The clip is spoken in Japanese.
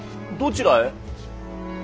どちらへ。